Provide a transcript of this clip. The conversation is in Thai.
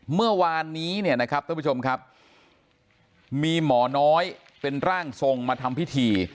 เมื่อวานนี้เนี่ยนะครับท่านผู้ชมครับมีหมอน้อยเป็นร่างทรงมาทำพิธี